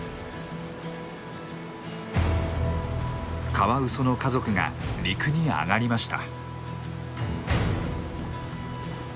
カワウソの家族が陸に上がりました。